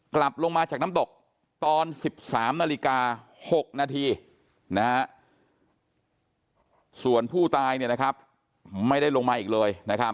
กลับลงมาจากน้ำตกตอน๑๓นาฬิกา๖นาทีส่วนผู้ตายไม่ได้ลงมาอีกเลย